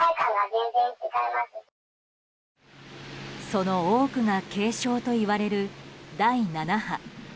その多くが軽症といわれる第７波。